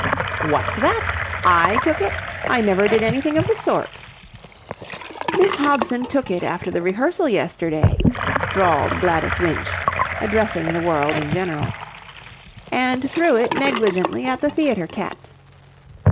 "What's that? I took it? I never did anything of the sort." "Miss Hobson took it after the rehearsal yesterday," drawled Gladys Winch, addressing the world in general, "and threw it negligently at the theatre cat."